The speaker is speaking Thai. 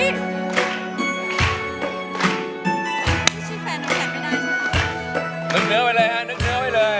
นึกเนื้อไปเลยฮะนึกเนื้อไปเลย